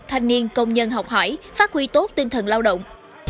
thanh niên công nhân học hỏi phát huy tốt tinh thần lao động